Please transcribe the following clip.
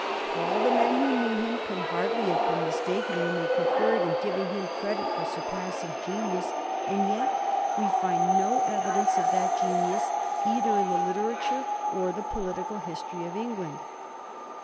All the men who knew him can hardly have been mistaken when they concurred in giving him credit for surpassing genius ; and yet we find no evidence of that genius either in the literature or the political history of England.